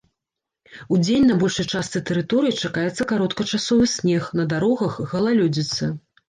Удзень на большай частцы тэрыторыі чакаецца кароткачасовы снег, на дарогах галалёдзіца.